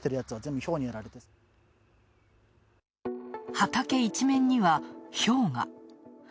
畑一面は、ひょうが。